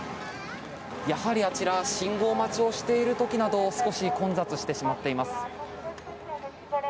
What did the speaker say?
やはりあちら信号待ちをしている時など少し混雑してしまっています。